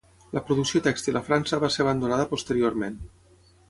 La producció tèxtil a França va ser abandonada posteriorment.